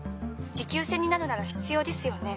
「持久戦になるなら必要ですよね」